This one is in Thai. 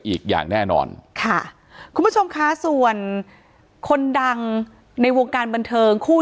อีกอย่างแน่นอนค่ะคุณผู้ชมค่ะส่วนคนดังในวงการบันเทิงคู่